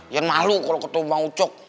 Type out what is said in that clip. ian malu kalau ketua ubang ucok